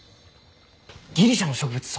ギリシャの植物相！？